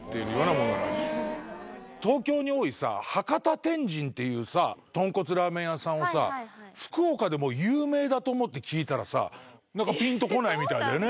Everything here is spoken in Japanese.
東京に多い博多天神っていう豚骨ラーメン屋さんを福岡でも有名だと思って聞いたらさ何かぴんとこないみたいでね。